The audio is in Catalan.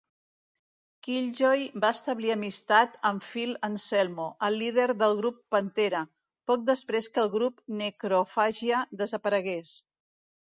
Killjoy va establir amistat amb Phil Anselmo, el líder del grup Pantera, poc després que el grup Necroophagia desaparegués.